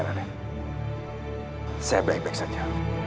saya baik baik saja